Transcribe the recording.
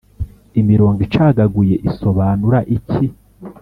imirongo icagaguye isobanura iki